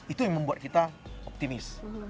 itu yang membuat kita optimis